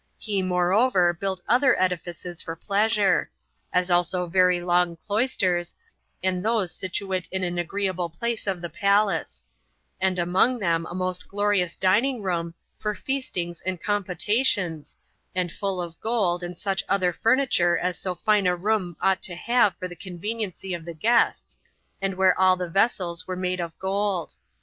He, moreover, built other edifices for pleasure; as also very long cloisters, and those situate in an agreeable place of the palace; and among them a most glorious dining room, for feastings and compotations, and full of gold, and such other furniture as so fine a room ought to have for the conveniency of the guests, and where all the vessels were made of gold.